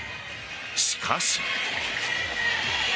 しかし。